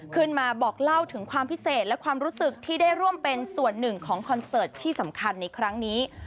มาบอกเล่าถึงความพิเศษและความรู้สึกที่ได้ร่วมเป็นส่วนหนึ่งของคอนเสิร์ตที่สำคัญในครั้งนี้